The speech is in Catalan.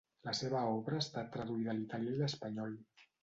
La seva obra ha estat traduïda a l’italià i l’espanyol.